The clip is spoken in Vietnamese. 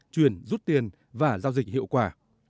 chuyển rút tiền và giao dịch hiệu quả